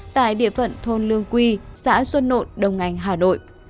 tại địa phận thôn lương quy xã xuân nộn đông anh hà nội